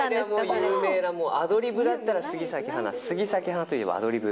業界では有名な、アドリブだったら杉咲花、杉咲花といえばアドリブ。